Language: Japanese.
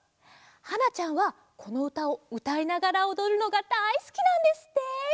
はなちゃんはこのうたをうたいながらおどるのがだいすきなんですって！